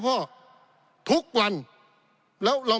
ปี๑เกณฑ์ทหารแสน๒